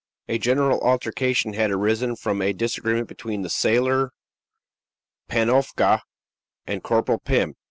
A general altercation had arisen from a disagreement between the sailor Panofka and Corporal Pim.